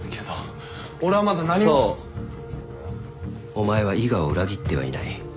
お前は伊賀を裏切ってはいない。